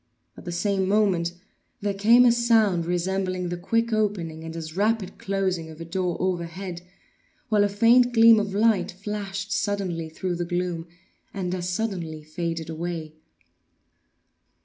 At the same moment there came a sound resembling the quick opening, and as rapid closing of a door overhead, while a faint gleam of light flashed suddenly through the gloom, and as suddenly faded away.